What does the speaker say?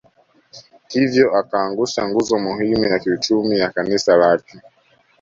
Hivyo akaangusha nguzo muhimu ya kiuchumi ya Kanisa la kale